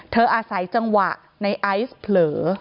อาศัยจังหวะในไอซ์เผลอ